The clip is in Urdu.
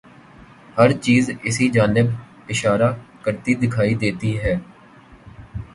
ہر چیز اسی جانب اشارہ کرتی دکھائی دیتی ہے۔